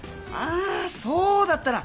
あそうだったな。